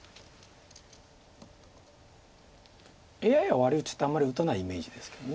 ＡＩはワリ打ちってあんまり打たないイメージですけど。